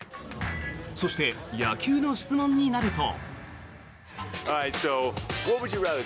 そして、野球の質問になると。